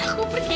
kamu mau tau